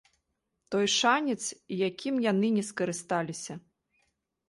Той шанец, якім яны не скарысталіся.